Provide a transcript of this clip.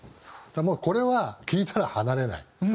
もうこれは聴いたら離れない。